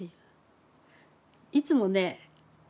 いつもね